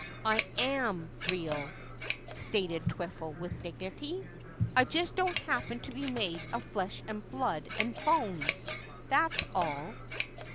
"I am real," stated Twiffle with dignity. "I just don't happen to be made of flesh and blood and bones, that's all."